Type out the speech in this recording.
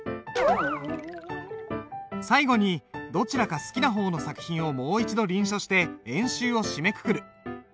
最後にどちらか好きな方の作品をもう一度臨書して演習を締めくくる。